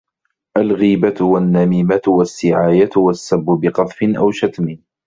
الْغِيبَةُ وَالنَّمِيمَةُ وَالسِّعَايَةُ وَالسَّبُّ بِقَذْفٍ أَوْ شَتْمٍ